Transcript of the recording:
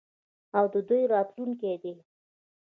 او د دوی راتلونکی دی.